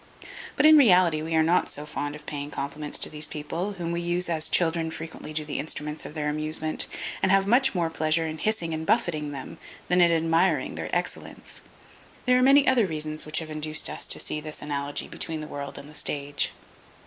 But, in reality, we are not so fond of paying compliments to these people, whom we use as children frequently do the instruments of their amusement; and have much more pleasure in hissing and buffeting them, than in admiring their excellence. There are many other reasons which have induced us to see this analogy between the world and the stage.